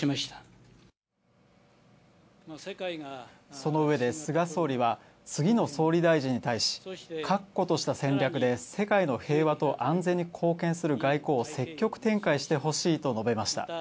そのうえで菅総理は次の総理大臣に対し、「確固とした戦略で世界の平和と安全に貢献する外交を積極展開してほしい」と述べました。